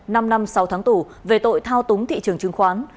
năm năm sáu tháng tù về tội thao túng thị trường chứng khoán